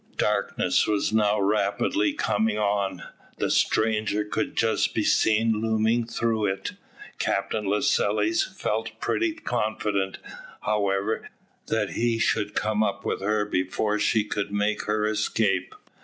Darkness was now rapidly coming on. The stranger could just be seen looming through it. Captain Lascelles felt pretty confident, however, that he should come up with her before she could make her escape.